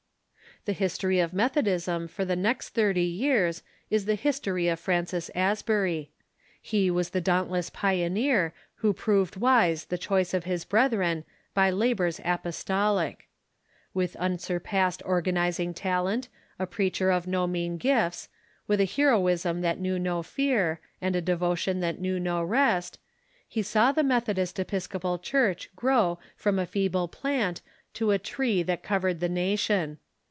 The history of Methodism for the next thirty years is the history of P^rancis Asbury. He was the dauntless pioneer who proved wise the choice of his brethren by labors apos tolic. With unsurpassed organizing talent, a preacher of no mean gifts, with a heroism that knew no fear, and a devotion that knew no rest, he saw the Methodist Episcopal Church grow from a feeble plant to a tree that covered the nation.